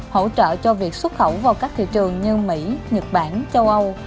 hỗ trợ cho việc xuất khẩu vào các thị trường như mỹ nhật bản châu âu